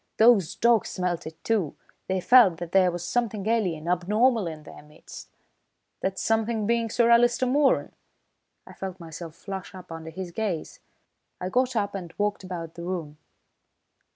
Those dogs smelt it, too. They felt that there was something alien, abnormal in their midst." "That something being Sir Alister Moeran?" I felt myself flush up under his gaze. I got up and walked about the room.